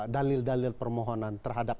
dalil dalil permohonan terhadap